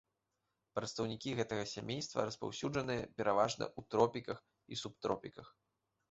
Прадстаўнікі гэтага сямейства распаўсюджаныя пераважна ў тропіках і субтропіках.